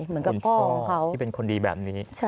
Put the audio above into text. เหมือนกับคนท่อที่เป็นคนดีแบบนี้